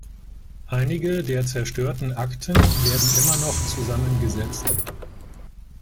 Einige der zerstörten Akten werden immer noch zusammengesetzt.